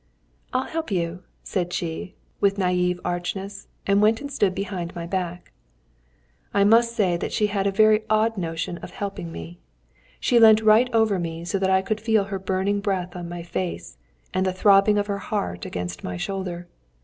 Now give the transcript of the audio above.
"I'll help you!" said she, with naïve archness, and went and stood behind my back. I must say that she had a very odd notion of helping me. She leant right over me so that I could feel her burning breath on my face, and the throbbing of her heart against my shoulder.